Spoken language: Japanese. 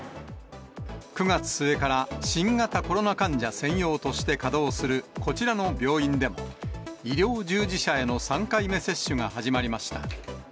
９月末から新型コロナ患者専用として稼働するこちらの病院でも、医療従事者への３回目接種が始まりました。